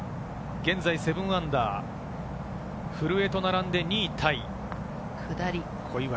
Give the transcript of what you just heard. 現在−７、古江と並んで２位タイ。